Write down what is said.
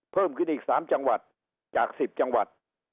เพิ่มขึ้นอีก๓จังหวัดจาก๑๐จังหวัด